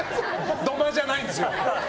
土間じゃないんですよ。